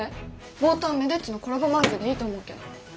冒頭はめでっちのコラボまんじゅうでいいと思うけど。